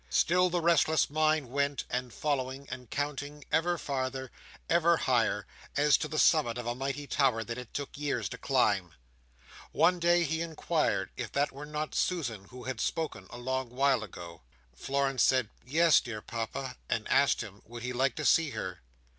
Still the restless mind went, following and counting, ever farther, ever higher, as to the summit of a mighty tower that it took years to climb. One day he inquired if that were not Susan who had spoken a long while ago. Florence said "Yes, dear Papa;" and asked him would he like to see her?